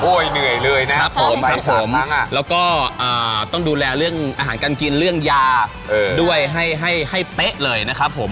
เหนื่อยเลยนะครับผมครับผมแล้วก็ต้องดูแลเรื่องอาหารการกินเรื่องยาด้วยให้ให้เป๊ะเลยนะครับผม